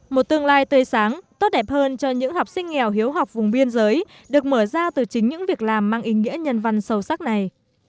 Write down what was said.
một tương lai tươi sáng tốt đẹp hơn cho những học sinh nghèo hiếu học vùng biên giới được mở ra từ chính những việc làm mang ý nghĩa nhân văn sâu sắc này